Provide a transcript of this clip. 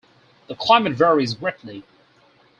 The climate varies greatly.